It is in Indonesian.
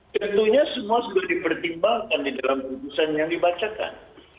tentunya semua sudah dipertimbangkan di dalam putusan yang dibacakan